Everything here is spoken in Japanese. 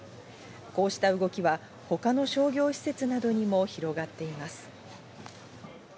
こうした動きは他の商業施設などにも広がっています。